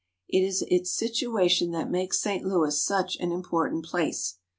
It is its situa tion that makes St. Louis such an important place.